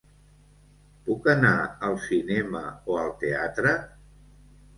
Puc anar al cinema o al teatre?